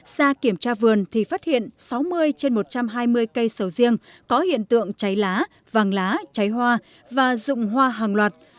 ra kiểm tra vườn thì phát hiện sáu mươi trên một trăm hai mươi cây sầu riêng có hiện tượng cháy lá vàng lá cháy hoa và rụng hoa hàng loạt